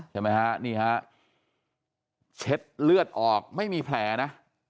ใช่ไหมฮะนี่ฮะเช็ดเลือดออกไม่มีแผลนะ